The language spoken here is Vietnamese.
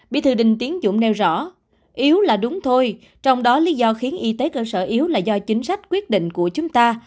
bí thư đình tiến dũng nêu rõ yếu là đúng thôi trong đó lý do khiến y tế cơ sở yếu là do chính sách quyết định của chúng ta